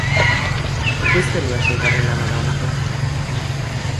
Ekoizten duen seigarren lana da honakoa.